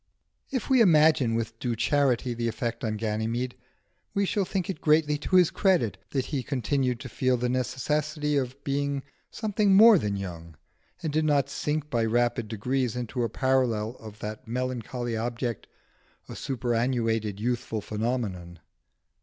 If we imagine with due charity the effect on Ganymede, we shall think it greatly to his credit that he continued to feel the necessity of being something more than young, and did not sink by rapid degrees into a parallel of that melancholy object, a superannuated youthful phenomenon.